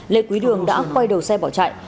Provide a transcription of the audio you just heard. lê quý đường đã quay đầu xe bỏ chạy